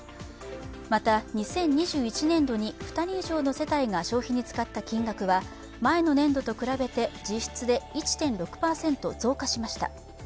また２０２１年度に、２人以上の世帯が消費に使った金額は前の年度と比べて実質で１．６％増加しました。